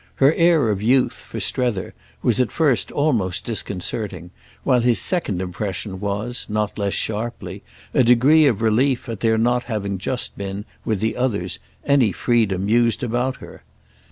Her air of youth, for Strether, was at first almost disconcerting, while his second impression was, not less sharply, a degree of relief at there not having just been, with the others, any freedom used about her.